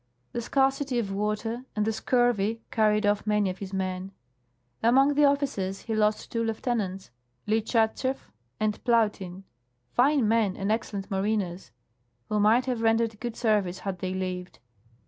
The scarcity of water and the scurvy carried off many of his men. Among the officers he lost two lieutenants — Lichat schew and Plautin, fine men and excellent mariners — who might have rendered good service had they lived.